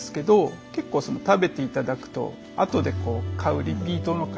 結構食べていただくとあとで買うリピートの方